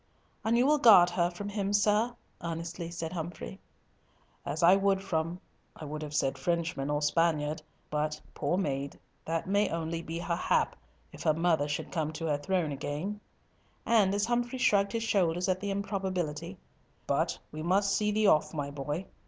"And you will guard her from him, sir?" earnestly said Humfrey. "As I would from—I would have said Frenchman or Spaniard, but, poor maid, that may only be her hap, if her mother should come to her throne again;" and as Humfrey shrugged his shoulders at the improbability, "But we must see thee off, my boy.